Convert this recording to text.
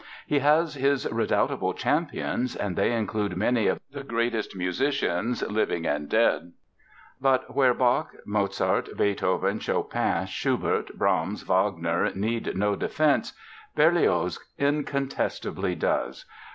He has his redoubtable champions and they include many of the greatest musicians, living and dead. But where Bach, Mozart, Beethoven, Chopin, Schubert, Brahms, Wagner need no defense Berlioz incontestably does.